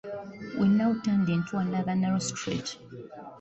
We now turned into another narrow street.